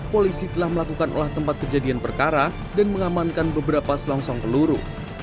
polisi telah melakukan olah tempat kejadian perkara dan mengamankan beberapa selongsong peluru